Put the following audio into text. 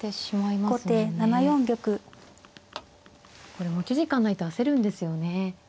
これ持ち時間ないと焦るんですよね。